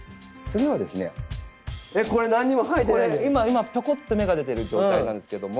今ぴょこって芽が出てる状態なんですけども。